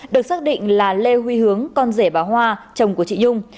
được xác định là lê huy hướng con rể bà hoa chồng của chị nhung